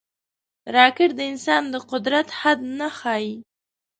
راکټ د انسان د قدرت حد نه ښيي